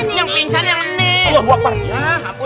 tidak ada opo